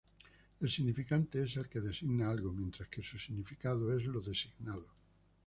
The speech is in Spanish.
El significante es el que designa algo, mientras que su significado es lo designado.